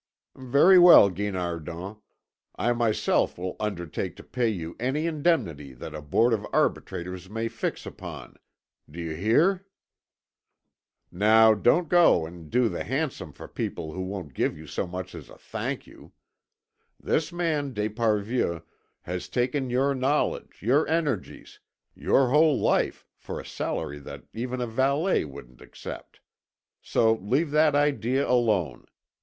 "Very well, Guinardon, I myself will undertake to pay you any indemnity that a board of arbitrators may fix upon. Do you hear?" "Now don't go and do the handsome for people who won't give you so much as a thank you. This man, d'Esparvieu, has taken your knowledge, your energies, your whole life for a salary that even a valet wouldn't accept. So leave that idea alone.